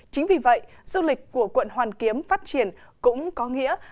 chính vì vậy du lịch của quận hoàn kiếm phát triển cũng có nghĩa